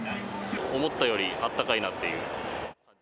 思ったよりあったかいなっていう。